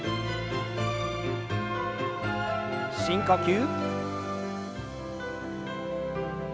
深呼吸。